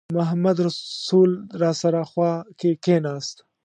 محمدرسول راسره خوا کې کېناست.